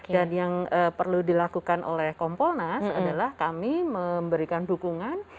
dan yang perlu dilakukan oleh kompolnas adalah kami memberikan dukungan